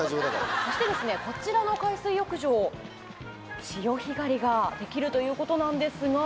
そしてですねこちらの海水浴場潮干狩りができるということなんですが。